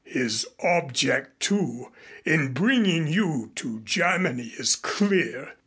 His object, too, in bringing you to Germany is clear.